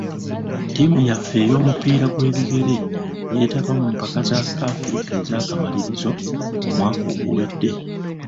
Ttiimu yaffe ey'omupiira gw'ebigere yeetaba mu mpaka za Africa ez'akamalirirzo omwaka oguwedde.